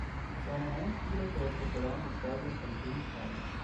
Seine Heimspiele trägt der Verein im Stadion von Vinh aus.